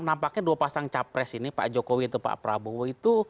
nampaknya dua pasang capres ini pak jokowi atau pak prabowo itu